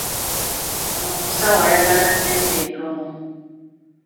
Ono omusawo ayagala ssente ntono.